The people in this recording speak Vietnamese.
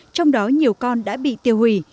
trong đó nhiều con đã bị tiêu hủy